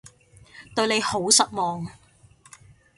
對你好失望